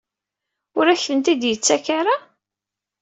Ur ak-ten-id-yettak ara?